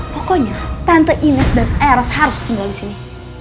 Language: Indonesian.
pokoknya tante ines dan eros harus tinggal di sini